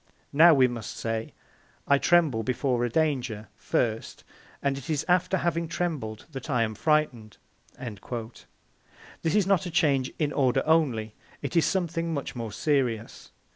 Now we must say, 'I tremble before a danger, first, and it is after having trembled that I am frightened.'" This is not a change in order only; it is something much more serious.